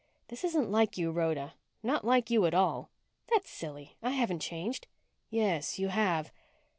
"This isn't like you, Rhoda. Not like you at all." "That's silly. I haven't changed." "Yes, you have."